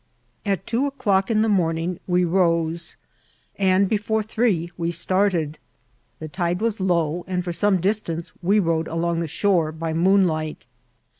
At two o'clock in the morning we rose, and before three we started. The tide was low, and for some dis tance we rode along the shore by moonlight.